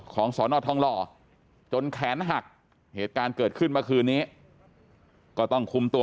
ของสนทลจนแขนหักเหตุการณ์เกิดขึ้นมาคืนนี้ก็ต้องคุมตัว